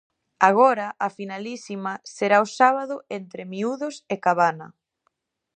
Agora, a finalísima será o sábado entre miúdos e Cabana.